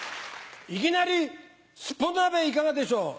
いきなりすっぽん鍋いかがでしょう？